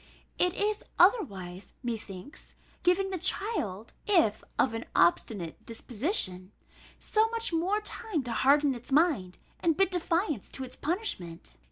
It is otherwise, methinks, giving the child, if of an obstinate disposition, so much more time to harden its mind, and bid defiance to its punishment.